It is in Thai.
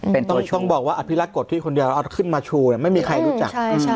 เป็นตัวชูต้องบอกว่าอภิรัติกฎที่คนเดียวเอาขึ้นมาชูเนี่ยไม่มีใครรู้จัก